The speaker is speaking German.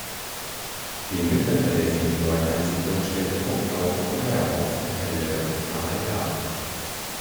Die mittlere der sieben neuen Ansiedlungen stellte Bottendorf mit Meierhof, Kapelle und Pfarrei dar.